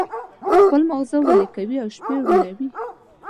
خپل مازغه ویلي کوي او شپې روڼوي.